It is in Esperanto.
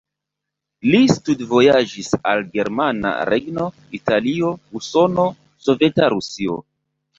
Li studvojaĝis al Germana Regno, Italio, Usono, Soveta Rusio.